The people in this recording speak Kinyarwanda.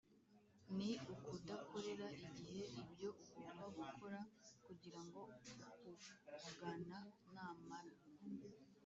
ni ukudakorera igihe ibyo ugomba gukora kugira ngo ukugana namara